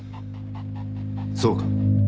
そうか。